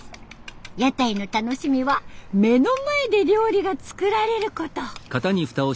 屋台の楽しみは目の前で料理が作られること。